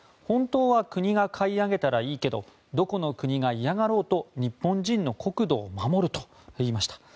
本当は国が買い上げたらいいけどどこの国が嫌がろうと日本人の国土を守ると言いました。